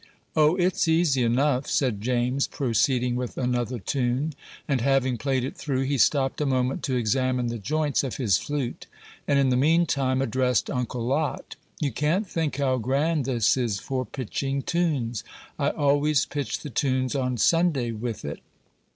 "O, it's easy enough," said James, proceeding with another tune; and, having played it through, he stopped a moment to examine the joints of his flute, and in the mean time addressed Uncle Lot: "You can't think how grand this is for pitching tunes I always pitch the tunes on Sunday with it."